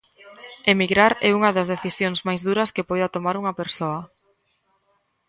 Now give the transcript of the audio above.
Emigrar é unha das decisións máis duras que poida tomar unha persoa.